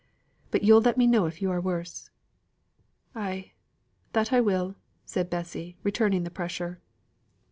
"But you'll let me know if you get worse." "Ay, that will I," said Bessy, returning the pressure.